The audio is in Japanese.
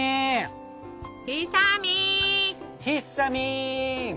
ひっさみん。